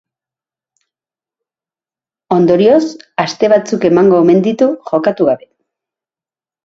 Ondorioz, aste batzuk emango omen ditu jokatu gabe.